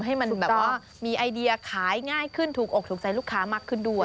ให้มันแบบว่ามีไอเดียขายง่ายขึ้นถูกอกถูกใจลูกค้ามากขึ้นด้วย